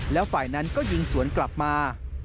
แล้วฝ่ายนั้นก็ยิงสวนกลับมา